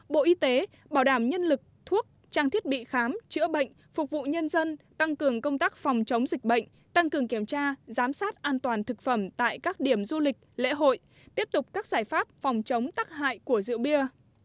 bộ y tế bảo đảm nhân lực thuốc trang thiết bị khám chữa bệnh phục vụ nhân dân tăng cường công tác phòng chống dịch bệnh tăng cường kiểm tra giám sát an toàn thực phẩm tại các điểm du lịch lễ hội tiếp tục các giải pháp phòng chống tắc hại của rượu bia